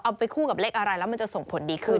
ไปคู่กับเลขอะไรแล้วมันจะส่งผลดีขึ้น